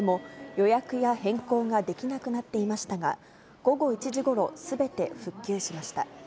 予約や変更ができなくなっていましたが、午後１時ごろ、すべて復旧しました。